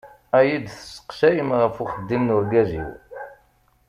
Ad iyi-d-testeqsayem ɣef uxeddim n ugraz-iw.